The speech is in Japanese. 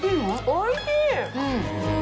おいしい！